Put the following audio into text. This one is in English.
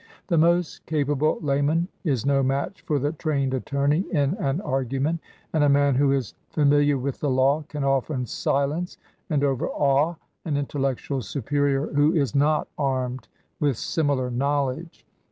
The most capable layman is no match for the trained attorney in an argument, and a man who is fami liar with the law can often silence and overawe an intellectual superior who is not armed with similar knowledge.